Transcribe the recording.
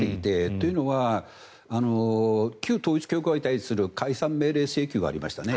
というのは旧統一教会に対する解散命令請求がありましたね。